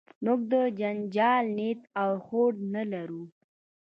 موږ د جنجال نیت او هوډ نه لرو.